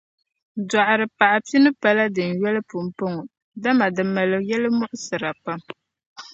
Dɔɣiripaɣ’ pini pa la din yoli pumpɔŋɔ, dama di mali yɛlmuɣsira pam.